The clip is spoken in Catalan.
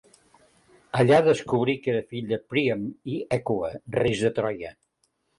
Allà descobrí que era fill de Príam i Hècuba, reis de Troia.